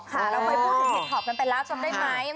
เราเคยพูดถึงเห็ดถอบกันไปแล้วจำได้ไหม